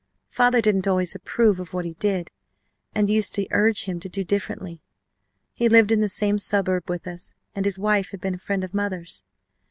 Father didn't always approve of what he did and used to urge him to do differently. He lived in the same suburb with us, and his wife had been a friend of mother's.